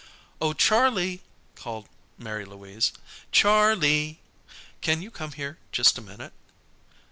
"Oh, Charlie!" called Mary Louise. "Charlee! Can you come here just a minute?"